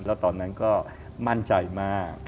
แล้วตอนนั้นก็มั่นใจมาก